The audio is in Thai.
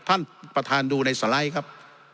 ท่านประธานดูในสไลด์ครับ